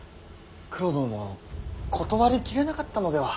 九郎殿も断り切れなかったのでは。